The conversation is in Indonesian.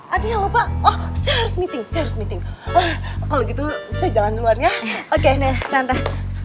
aduh lupa oh meeting meeting kalau gitu jalan luarnya oke santai